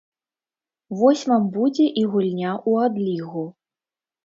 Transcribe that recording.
Вось вам будзе і гульня ў адлігу.